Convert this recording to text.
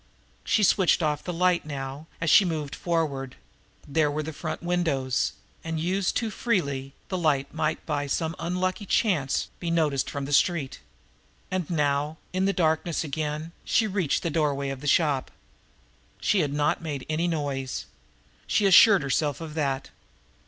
She switched off the light now as she moved forward there were the front windows, and, used too freely, the light might by some unlucky chance be noticed from the street. And now, in the darkness again, she reached the doorway of the shop. She had not made any noise. She assured herself of that.